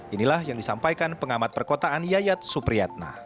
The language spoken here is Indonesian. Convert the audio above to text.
inilah yang disampaikan pengamat perkotaan yayat supriyatna